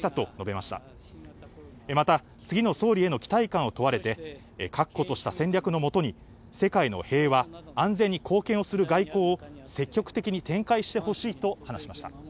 また、次の総理への期待感を問われて、確固とした戦略のもとに、世界の平和、安全に貢献をする外交を積極的に展開してほしいと話しました。